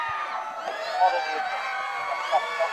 ওর সাইকেলের বেল ও নাই।